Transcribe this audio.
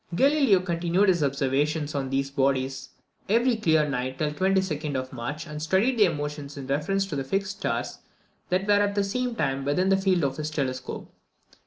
Galileo continued his observations on these bodies every clear night till the 22d of March, and studied their motions in reference to fixed stars that were at the same time within the field of his telescope.